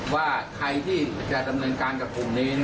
ว่าใครที่จะดำเนินการกับกลุ่มนี้